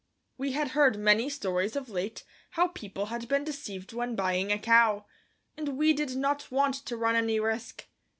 We had heard many stories of late how people had been deceived when buying a cow, and we did not want to run any risk.